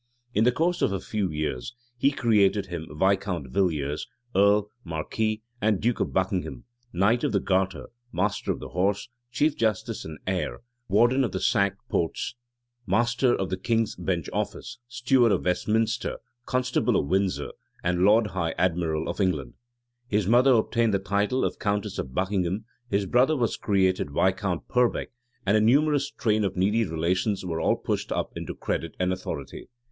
In the course of a few years, he created him Viscount Villiers, earl, marquis, and duke of Buckingham, knight of the garter, master of the horse, chief justice in eyre, warden of the cinque ports, master of the king's bench office, steward of Westminster, constable of Windsor, and lord high admiral of England. His mother obtained the title of countess of Buckingham: his brother was created Viscount Purbeck; and a numerous train of needy relations were all pushed up into credit and authority.